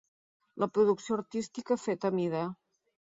La producció artística feta a mida.